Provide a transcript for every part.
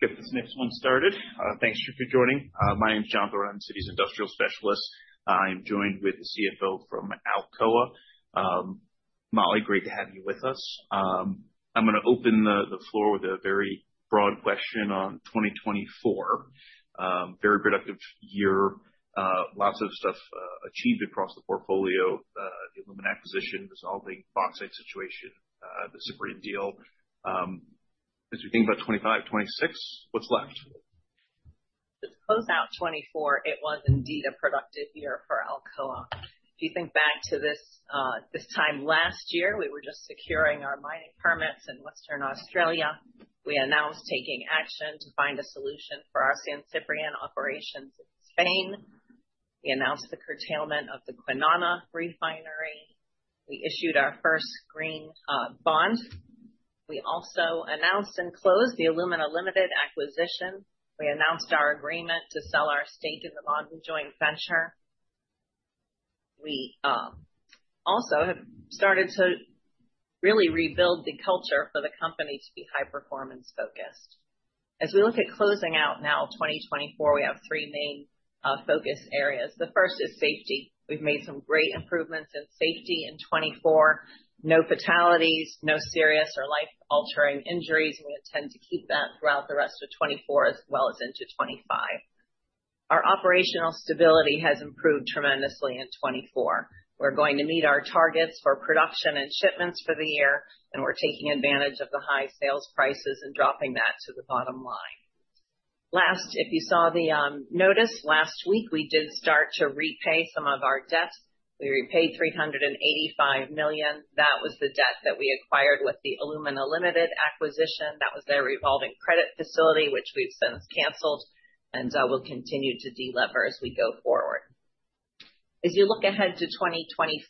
All right. Get this next one started. Thanks for joining. My name's John Thorne. I'm Citi's Industrial Specialist. I am joined with the CFO from Alcoa. Molly, great to have you with us. I'm going to open the floor with a very broad question on 2024. Very productive year, lots of stuff achieved across the portfolio, the alumina acquisition, resolving the bauxite situation, the San Ciprián deal. As we think about 2025, 2026, what's left? As we close out 2024, it was indeed a productive year for Alcoa. If you think back to this time last year, we were just securing our mining permits in Western Australia. We announced taking action to find a solution for our San Ciprián operations in Spain. We announced the curtailment of the Kwinana refinery. We issued our first green bond. We also announced and closed the Alumina Limited acquisition. We announced our agreement to sell our stake in the Ma'aden joint venture. We also have started to really rebuild the culture for the company to be high-performance focused. As we look at closing out now, 2024, we have three main focus areas. The first is safety. We've made some great improvements in safety in 2024. No fatalities, no serious or life-altering injuries. We intend to keep that throughout the rest of 2024 as well as into 2025. Our operational stability has improved tremendously in 2024. We're going to meet our targets for production and shipments for the year, and we're taking advantage of the high sales prices and dropping that to the bottom line. Last, if you saw the notice last week, we did start to repay some of our debt. We repaid $385 million. That was the debt that we acquired with the Alumina Limited acquisition. That was their revolving credit facility, which we've since canceled and will continue to deliver as we go forward. As you look ahead to 2025,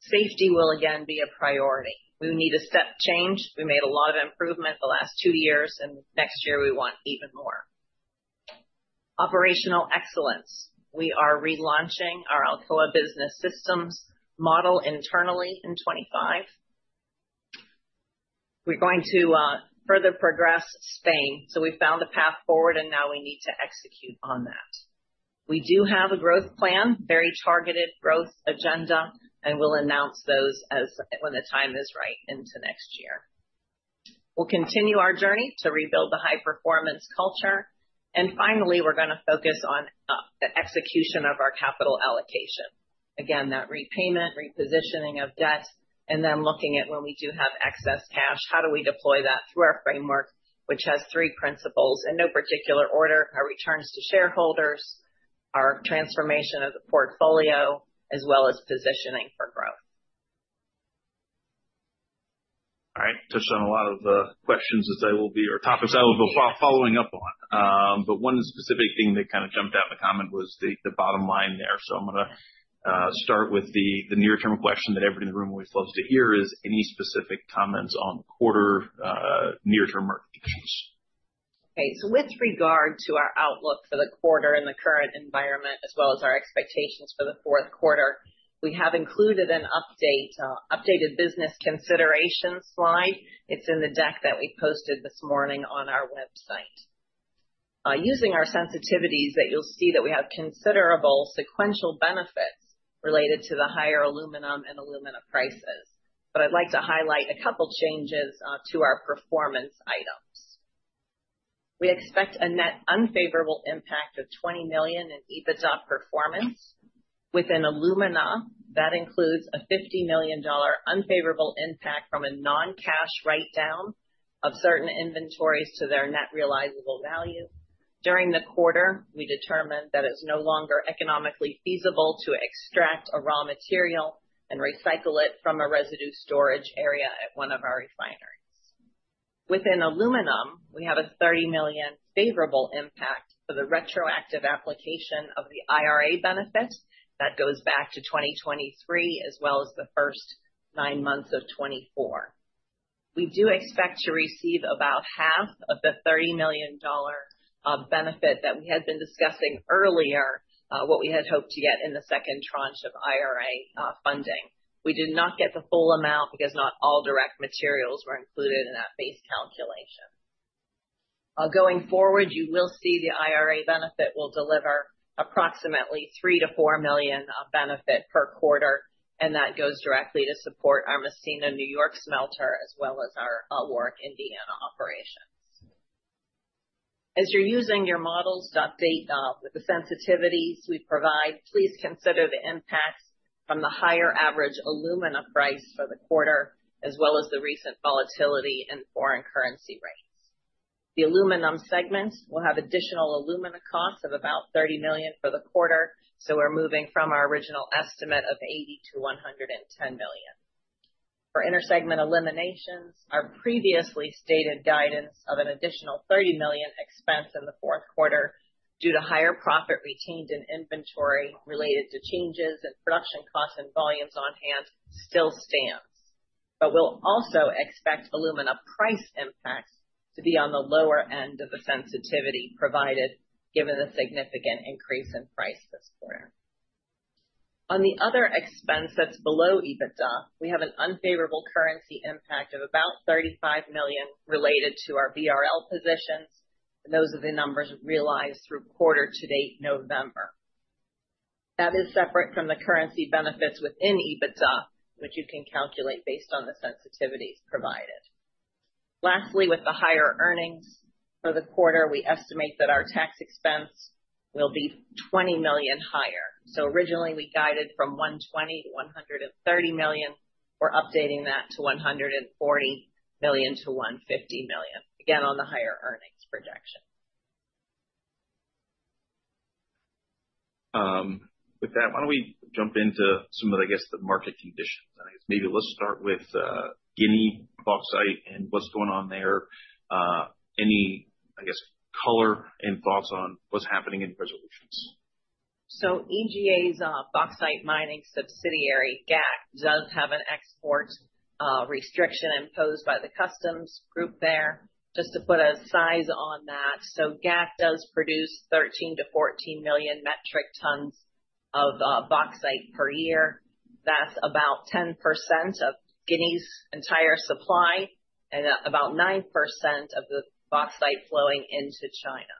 safety will again be a priority. We need a step change. We made a lot of improvement the last two years, and next year we want even more. Operational excellence. We are relaunching our Alcoa Business System model internally in 2025. We're going to further progress Spain. So we found a path forward, and now we need to execute on that. We do have a growth plan, very targeted growth agenda, and we'll announce those when the time is right into next year. We'll continue our journey to rebuild the high-performance culture. And finally, we're going to focus on the execution of our capital allocation. Again, that repayment, repositioning of debt, and then looking at when we do have excess cash, how do we deploy that through our framework, which has three principles in no particular order: our returns to shareholders, our transformation of the portfolio, as well as positioning for growth. All right. Touched on a lot of the questions that they will be or topics I will be following up on. But one specific thing that kind of jumped out in the comment was the bottom line there. So I'm going to start with the near-term question that everybody in the room always loves to hear: any specific comments on quarter near-term market conditions? Okay. So with regard to our outlook for the quarter and the current environment, as well as our expectations for the fourth quarter, we have included an updated business considerations slide. It's in the deck that we posted this morning on our website. Using our sensitivities, you'll see that we have considerable sequential benefits related to the higher aluminum and alumina prices. But I'd like to highlight a couple of changes to our performance items. We expect a net unfavorable impact of $20 million in EBITDA performance. Within alumina, that includes a $50 million unfavorable impact from a non-cash write-down of certain inventories to their net realizable value. During the quarter, we determined that it's no longer economically feasible to extract a raw material and recycle it from a residue storage area at one of our refineries. Within aluminum, we have a $30 million favorable impact for the retroactive application of the IRA benefits. That goes back to 2023, as well as the first nine months of 2024. We do expect to receive about $15 million benefit that we had been discussing earlier, what we had hoped to get in the second tranche of IRA funding. We did not get the full amount because not all direct materials were included in that base calculation. Going forward, you will see the IRA benefit will deliver approximately $3-$4 million benefit per quarter, and that goes directly to support our Massena, New York smelter, as well as our Warrick, Indiana operations. As you're using your models as of date. With the sensitivities we provide, please consider the impacts from the higher average alumina price for the quarter, as well as the recent volatility in foreign currency rates. The aluminum segment will have additional alumina costs of about $30 million for the quarter. We're moving from our original estimate of $80-$110 million. For intersegment eliminations, our previously stated guidance of an additional $30 million expense in the fourth quarter due to higher profit retained in inventory related to changes in production costs and volumes on hand still stands. We'll also expect alumina price impacts to be on the lower end of the sensitivity provided, given the significant increase in price this quarter. On the other expense that's below EBITDA, we have an unfavorable currency impact of about $35 million related to our BRL positions. Those are the numbers realized through quarter to date, November. That is separate from the currency benefits within EBITDA, which you can calculate based on the sensitivities provided. Lastly, with the higher earnings for the quarter, we estimate that our tax expense will be $20 million higher. So originally we guided from $120-$130 million. We're updating that to $140-$150 million, again on the higher earnings projection. With that, why don't we jump into some of the, I guess, the market conditions? And I guess maybe let's start with Guinea bauxite and what's going on there. Any, I guess, color and thoughts on what's happening in resolutions? So EGA's bauxite mining subsidiary, GAC, does have an export restriction imposed by the customs group there. Just to put a size on that, so GAC does produce 13-14 million metric tons of bauxite per year. That's about 10% of Guinea's entire supply and about 9% of the bauxite flowing into China.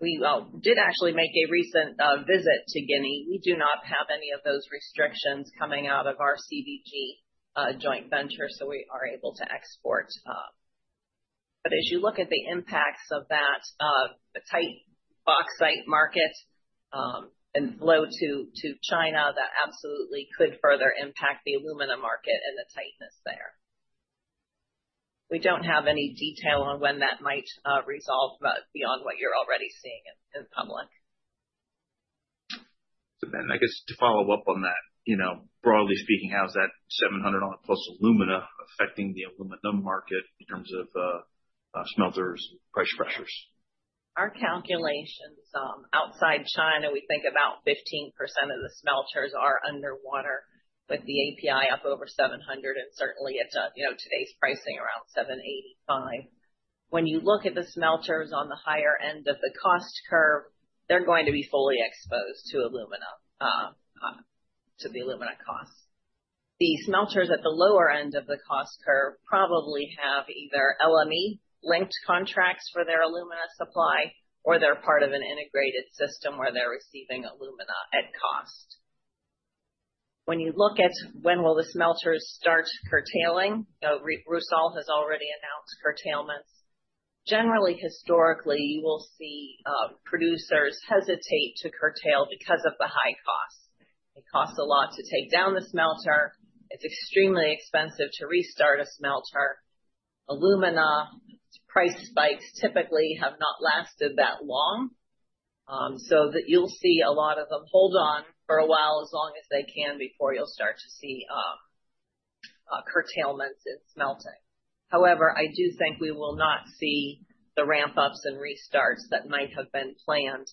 We did actually make a recent visit to Guinea. We do not have any of those restrictions coming out of our CBG joint venture, so we are able to export. But as you look at the impacts of that tight bauxite market and flow to China, that absolutely could further impact the alumina market and the tightness there. We don't have any detail on when that might resolve, but beyond what you're already seeing in public. So then, I guess to follow up on that, broadly speaking, how is that $700 plus alumina affecting the alumina market in terms of smelters' price pressures? Our calculations outside China, we think about 15% of the smelters are underwater, with the API up over 700, and certainly, today's pricing around $785. When you look at the smelters on the higher end of the cost curve, they're going to be fully exposed to the alumina costs. The smelters at the lower end of the cost curve probably have either LME linked contracts for their alumina supply, or they're part of an integrated system where they're receiving alumina at cost. When you look at when will the smelters start curtailing, Rusal has already announced curtailments. Generally, historically, you will see producers hesitate to curtail because of the high costs. It costs a lot to take down the smelter. It's extremely expensive to restart a smelter. Alumina price spikes typically have not lasted that long. So you'll see a lot of them hold on for a while as long as they can before you'll start to see curtailments in smelting. However, I do think we will not see the ramp-ups and restarts that might have been planned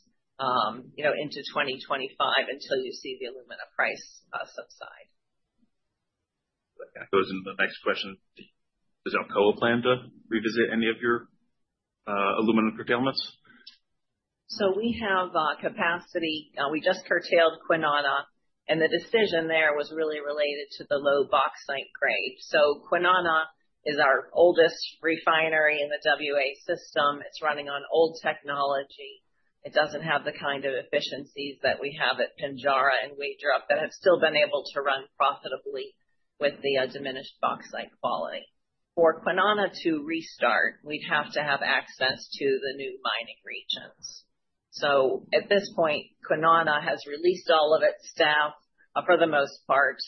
into 2025 until you see the alumina price subside. That goes into the next question. Does Alcoa plan to revisit any of your alumina curtailments? We have capacity. We just curtailed Kwinana, and the decision there was really related to the low bauxite grade. Kwinana is our oldest refinery in the WA system. It's running on old technology. It doesn't have the kind of efficiencies that we have at Pinjarra and Wagerup that have still been able to run profitably with the diminished bauxite quality. For Kwinana to restart, we'd have to have access to the new mining regions. At this point, Kwinana has released all of its staff for the most part.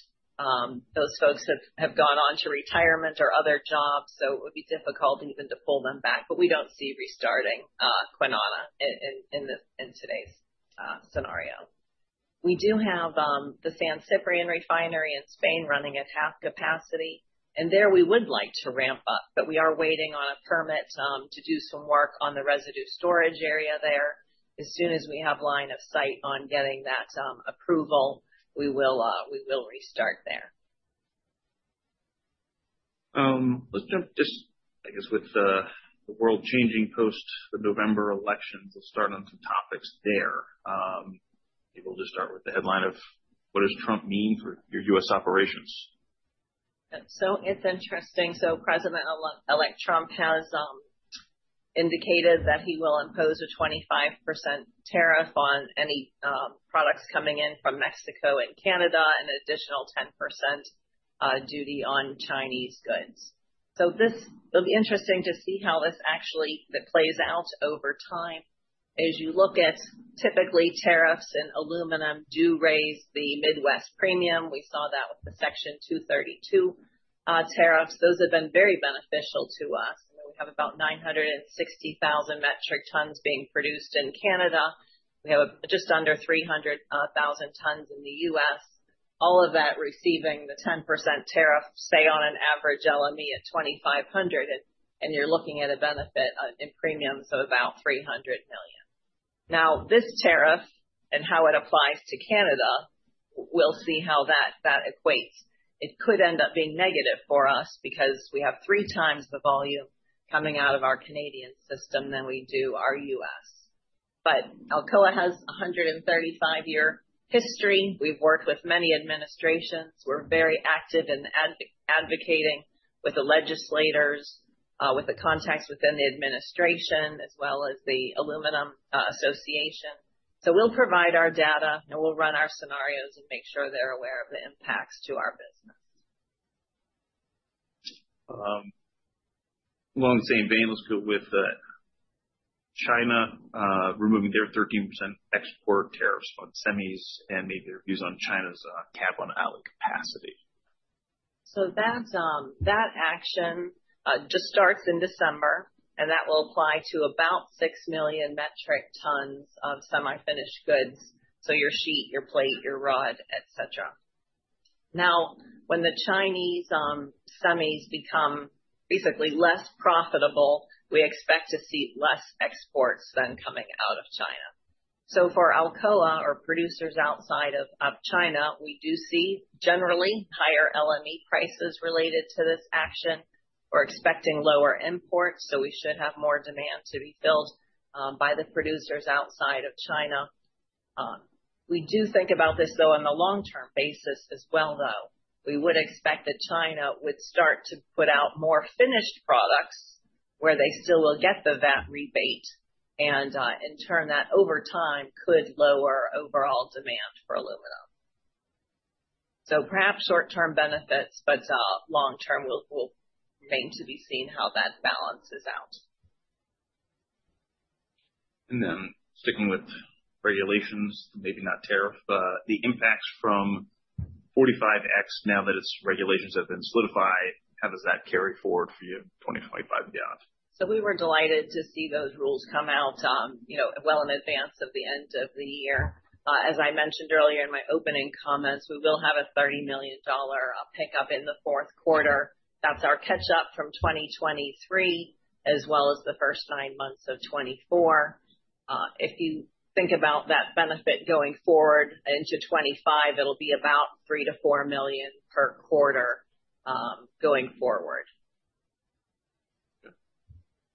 Those folks have gone on to retirement or other jobs, so it would be difficult even to pull them back. But we don't see restarting Kwinana in today's scenario. We do have the San Ciprián refinery in Spain running at half capacity. There we would like to ramp up, but we are waiting on a permit to do some work on the residue storage area there. As soon as we have line of sight on getting that approval, we will restart there. Let's jump just, I guess, with the world changing post the November elections. Let's start on some topics there. Maybe we'll just start with the headline of what does Trump mean for your U.S. operations? So it's interesting. So President-elect Trump has indicated that he will impose a 25% tariff on any products coming in from Mexico and Canada and an additional 10% duty on Chinese goods. So it'll be interesting to see how this actually plays out over time. As you look at, typically, tariffs in aluminum do raise the Midwest Premium. We saw that with the Section 232 tariffs. Those have been very beneficial to us. We have about 960,000 metric tons being produced in Canada. We have just under 300,000 tons in the U.S. All of that receiving the 10% tariff, say, on an average LME at 2,500. And you're looking at a benefit in premiums of about $300 million. Now, this tariff and how it applies to Canada, we'll see how that equates. It could end up being negative for us because we have three times the volume coming out of our Canadian system than we do our U.S. But Alcoa has a 135-year history. We've worked with many administrations. We're very active in advocating with the legislators, with the contacts within the administration, as well as the Aluminum Association. So we'll provide our data, and we'll run our scenarios and make sure they're aware of the impacts to our business. Along the same vein, let's go with China removing their 13% export tariffs on semis and maybe their views on China's cap on alloy capacity. So that action just starts in December, and that will apply to about six million metric tons of semi-finished goods. So your sheet, your plate, your rod, et cetera. Now, when the Chinese semis become basically less profitable, we expect to see less exports than coming out of China. So for Alcoa or producers outside of China, we do see generally higher LME prices related to this action. We're expecting lower imports, so we should have more demand to be filled by the producers outside of China. We do think about this, though, on the long-term basis as well, though. We would expect that China would start to put out more finished products where they still will get the VAT rebate. And in turn, that over time could lower overall demand for alumina. So perhaps short-term benefits, but long-term we'll wait to be seeing how that balances out. Then sticking with regulations, maybe not tariff, but the impacts from 45X now that its regulations have been solidified, how does that carry forward for you in 2025 and beyond? We were delighted to see those rules come out well in advance of the end of the year. As I mentioned earlier in my opening comments, we will have a $30 million pickup in the fourth quarter. That's our catch-up from 2023, as well as the first nine months of 2024. If you think about that benefit going forward into 2025, it'll be about $3-$4 million per quarter going forward.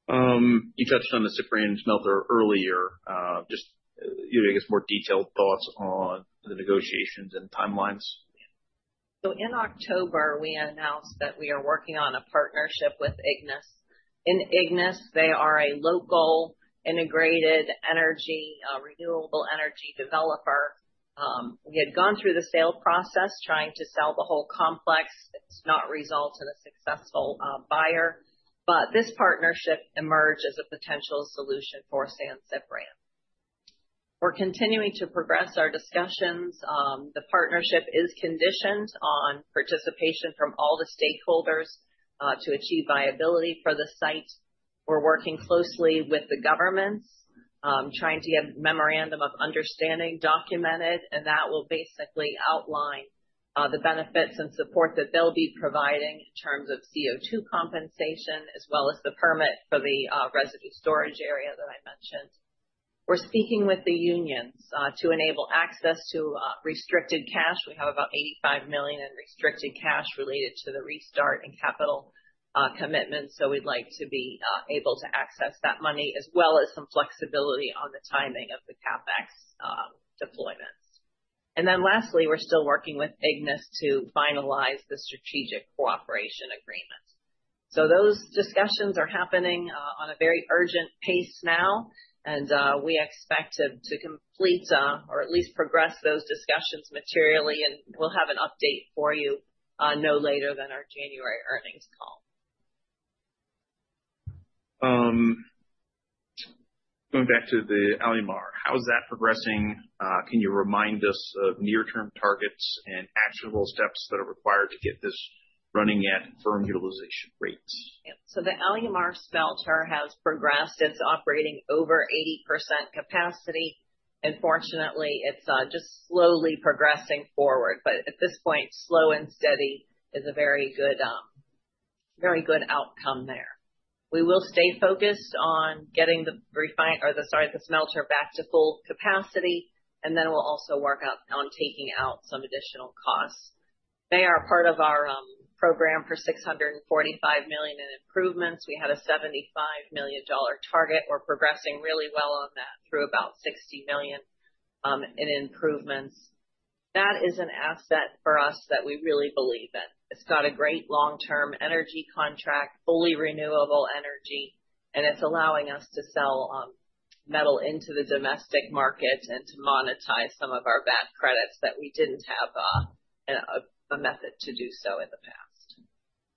You touched on the San Ciprián smelter earlier. Just, I guess, more detailed thoughts on the negotiations and timelines? So in October, we announced that we are working on a partnership with Ignis. In Ignis, they are a local integrated renewable energy developer. We had gone through the sale process trying to sell the whole complex. It's not resulted in a successful buyer. But this partnership emerged as a potential solution for San Ciprián. We're continuing to progress our discussions. The partnership is conditioned on participation from all the stakeholders to achieve viability for the site. We're working closely with the governments, trying to get a memorandum of understanding documented. And that will basically outline the benefits and support that they'll be providing in terms of CO2 compensation, as well as the permit for the residue storage area that I mentioned. We're speaking with the unions to enable access to restricted cash. We have about $85 million in restricted cash related to the restart and capital commitments. So we'd like to be able to access that money, as well as some flexibility on the timing of the CapEx deployments, and then lastly, we're still working with Ignis to finalize the strategic cooperation agreement, so those discussions are happening on a very urgent pace now, and we expect to complete or at least progress those discussions materially, and we'll have an update for you no later than our January earnings call. Going back to the Alumar, how is that progressing? Can you remind us of near-term targets and actionable steps that are required to get this running at firm utilization rates? The Alumar smelter has progressed. It's operating over 80% capacity. And fortunately, it's just slowly progressing forward. But at this point, slow and steady is a very good outcome there. We will stay focused on getting the refinery or the smelter back to full capacity. And then we'll also work on taking out some additional costs. They are part of our program for $645 million in improvements. We had a $75 million target. We're progressing really well on that through about $60 million in improvements. That is an asset for us that we really believe in. It's got a great long-term energy contract, fully renewable energy. And it's allowing us to sell metal into the domestic market and to monetize some of our tax credits that we didn't have a method to do so in the past.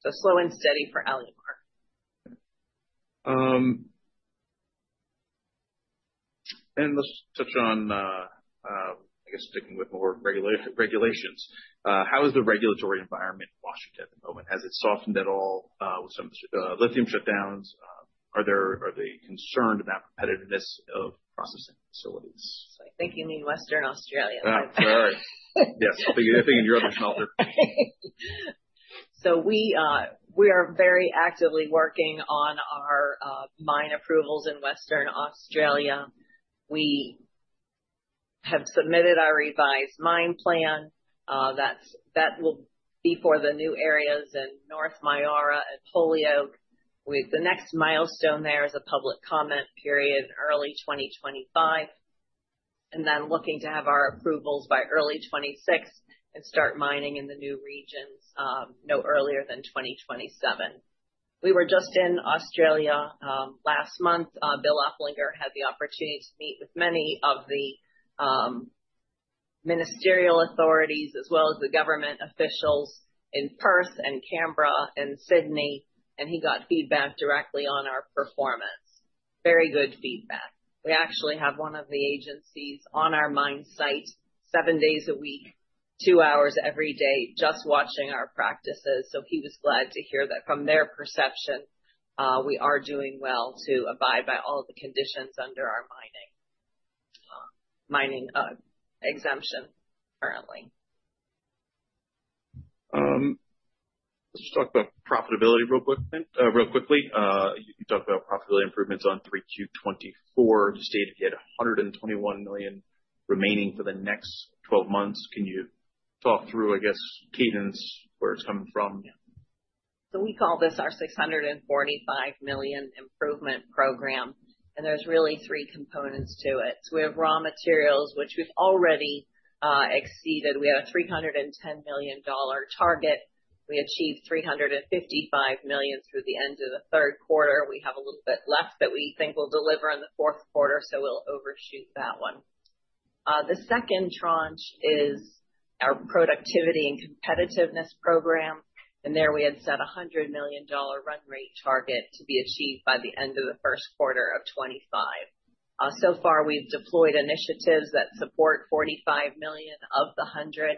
So slow and steady for Alumar. Let's touch on, I guess, sticking with more regulations. How is the regulatory environment in Washington at the moment? Has it softened at all with some of the lithium shutdowns? Are they concerned about the competitiveness of processing facilities? I think you mean Western Australia. Yes. I think in your other smelter. So we are very actively working on our mine approvals in Western Australia. We have submitted our revised mine plan. That will be for the new areas in Myara North and Holyoake. The next milestone there is a public comment period in early 2025. And then looking to have our approvals by early 2026 and start mining in the new regions no earlier than 2027. We were just in Australia last month. Bill Oplinger had the opportunity to meet with many of the ministerial authorities, as well as the government officials in Perth and Canberra and Sydney. And he got feedback directly on our performance. Very good feedback. We actually have one of the agencies on our mine site seven days a week, two hours every day, just watching our practices. So he was glad to hear that from their perception, we are doing well to abide by all the conditions under our mining exemption currently. Let's just talk about profitability real quickly. You talked about profitability improvements on 3Q24. You stated you had $121 million remaining for the next 12 months. Can you talk through, I guess, cadence where it's coming from? We call this our $645 million improvement program. There are really three components to it. We have raw materials, which we've already exceeded. We had a $310 million target. We achieved $355 million through the end of the third quarter. We have a little bit left that we think we'll deliver in the fourth quarter, so we'll overshoot that one. The second tranche is our productivity and competitiveness program. There we had set a $100 million run rate target to be achieved by the end of the first quarter of 2025. So far, we've deployed initiatives that support $45 million of the $100 million.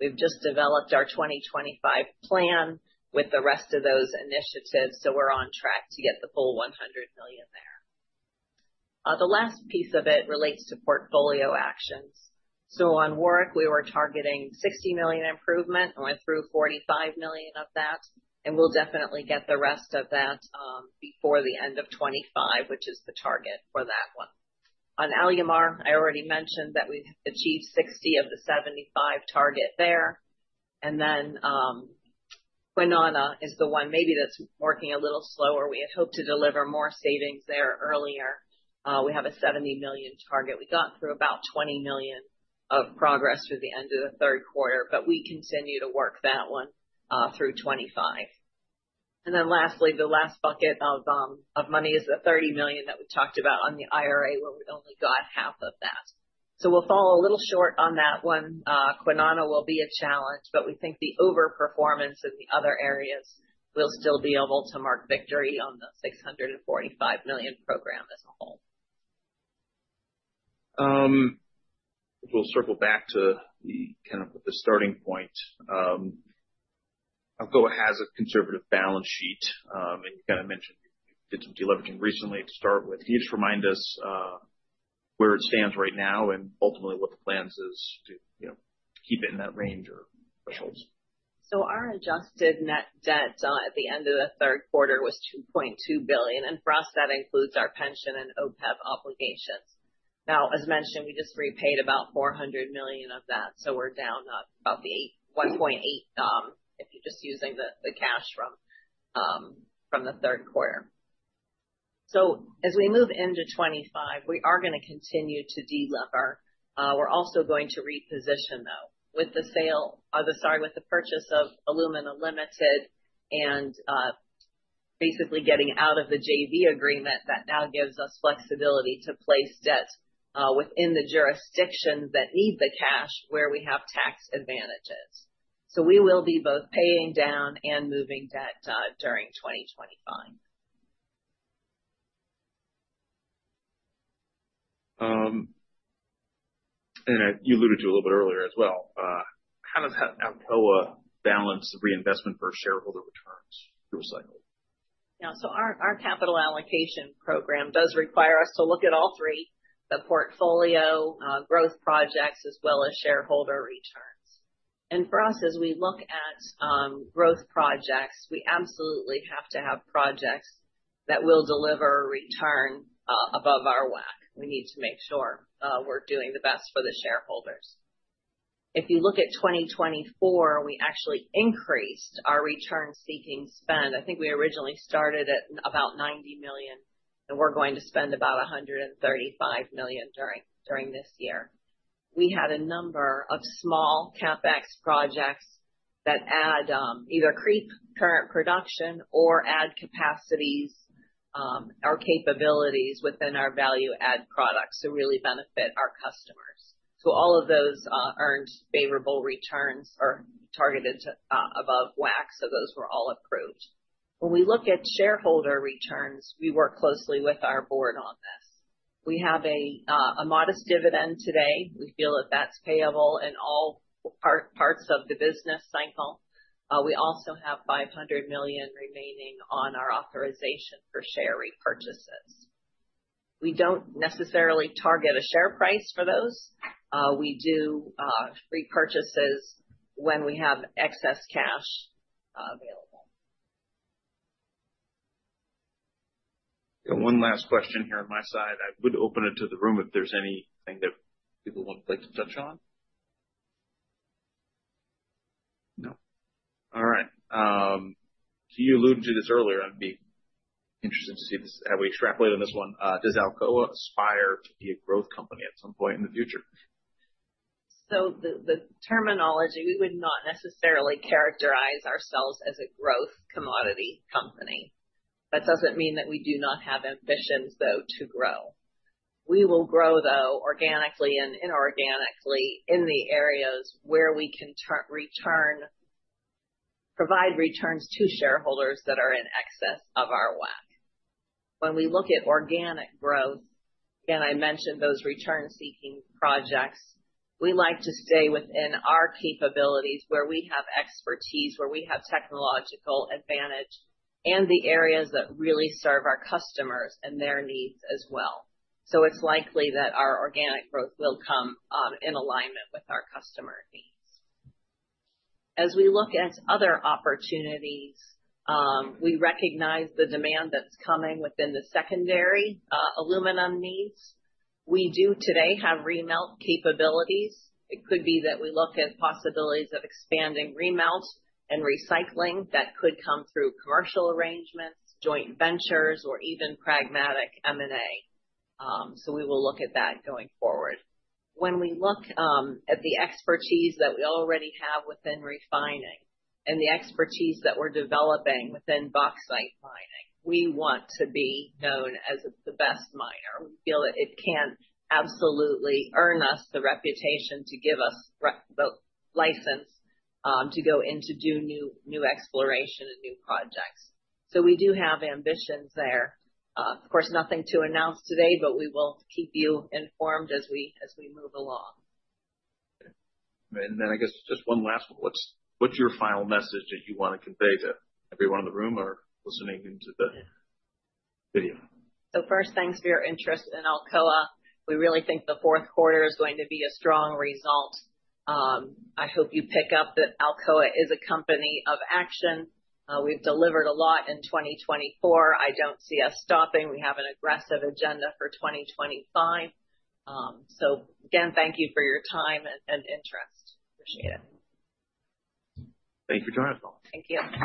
We've just developed our 2025 plan with the rest of those initiatives. We're on track to get the full $100 million there. The last piece of it relates to portfolio actions. On Warrick, we were targeting $60 million improvement. We went through $45 million of that, and we'll definitely get the rest of that before the end of 2025, which is the target for that one. On Alumar, I already mentioned that we achieved $60 of the $75 target there, and then Kwinana is the one maybe that's working a little slower. We had hoped to deliver more savings there earlier. We have a $70 million target. We got through about $20 million of progress through the end of the third quarter, but we continue to work that one through 2025, and then lastly, the last bucket of money is the $30 million that we talked about on the IRA, where we only got $15 million of that, so we'll fall a little short on that one. Kwinana will be a challenge. But we think the overperformance in the other areas, we'll still be able to mark victory on the $645 million program as a whole. We'll circle back to kind of the starting point. Alcoa has a conservative balance sheet. And you kind of mentioned you did some deleveraging recently to start with. Can you just remind us where it stands right now and ultimately what the plans is to keep it in that range or thresholds? Our adjusted net debt at the end of the third quarter was $2.2 billion. And for us, that includes our pension and OPEB obligations. Now, as mentioned, we just repaid about $400 million of that. We're down about $1.8 billion if you're just using the cash from the third quarter. As we move into 2025, we are going to continue to deliver. We're also going to reposition, though, with the sale or sorry, with the purchase of Alumina Limited and basically getting out of the JV agreement that now gives us flexibility to place debt within the jurisdictions that need the cash where we have tax advantages. We will be both paying down and moving debt during 2025. And you alluded to a little bit earlier as well, how does Alcoa balance the reinvestment for shareholder returns through a cycle? Yeah. So our capital allocation program does require us to look at all three, the portfolio, growth projects, as well as shareholder returns. And for us, as we look at growth projects, we absolutely have to have projects that will deliver a return above our WACC. We need to make sure we're doing the best for the shareholders. If you look at 2024, we actually increased our return-seeking spend. I think we originally started at about $90 million. And we're going to spend about $135 million during this year. We had a number of small CapEx projects that either creep current production or add capacities or capabilities within our value-add products to really benefit our customers. So all of those earned favorable returns are targeted above WACC. So those were all approved. When we look at shareholder returns, we work closely with our board on this. We have a modest dividend today. We feel that that's payable in all parts of the business cycle. We also have $500 million remaining on our authorization for share repurchases. We don't necessarily target a share price for those. We do repurchases when we have excess cash available. One last question here on my side. I would open it to the room if there's anything that people would like to touch on. No? All right. So you alluded to this earlier. I'd be interested to see how we extrapolate on this one. Does Alcoa aspire to be a growth company at some point in the future? So the terminology, we would not necessarily characterize ourselves as a growth commodity company. That doesn't mean that we do not have ambitions, though, to grow. We will grow, though, organically and inorganically in the areas where we can provide returns to shareholders that are in excess of our WACC. When we look at organic growth, again, I mentioned those return-seeking projects. We like to stay within our capabilities where we have expertise, where we have technological advantage, and the areas that really serve our customers and their needs as well. So it's likely that our organic growth will come in alignment with our customer needs. As we look at other opportunities, we recognize the demand that's coming within the secondary aluminum needs. We do today have remelt capabilities. It could be that we look at possibilities of expanding remelt and recycling that could come through commercial arrangements, joint ventures, or even pragmatic M&A. So we will look at that going forward. When we look at the expertise that we already have within refining and the expertise that we're developing within bauxite mining, we want to be known as the best miner. We feel that it can absolutely earn us the reputation to give us the license to go into new exploration and new projects. So we do have ambitions there. Of course, nothing to announce today, but we will keep you informed as we move along. And then I guess just one last one. What's your final message that you want to convey to everyone in the room or listening into the video? First, thanks for your interest in Alcoa. We really think the fourth quarter is going to be a strong result. I hope you pick up that Alcoa is a company of action. We've delivered a lot in 2024. I don't see us stopping. We have an aggressive agenda for 2025. Again, thank you for your time and interest. Appreciate it. Thank you for joining us, Paul. Thank you.